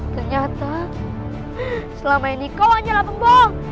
ternyata selama ini kau hanyalah pembong